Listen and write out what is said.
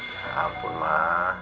ya ampun ma